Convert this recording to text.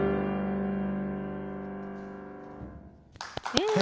うん。